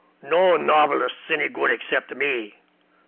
"No novelists any good except me.